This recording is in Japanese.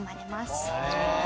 へえ。